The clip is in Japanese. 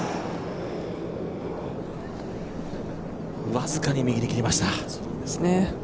僅かに右に切れました。